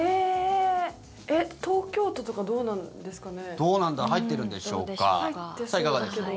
東京都とかどうなんですかね。